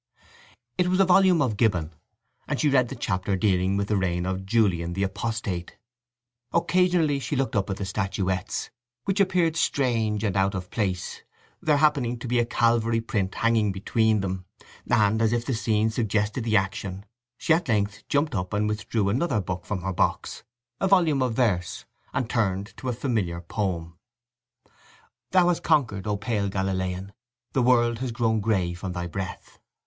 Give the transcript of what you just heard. It was a volume of Gibbon, and she read the chapter dealing with the reign of Julian the Apostate. Occasionally she looked up at the statuettes, which appeared strange and out of place, there happening to be a Calvary print hanging between them, and, as if the scene suggested the action, she at length jumped up and withdrew another book from her box—a volume of verse—and turned to the familiar poem— Thou hast conquered, O pale Galilean: The world has grown grey from thy breath!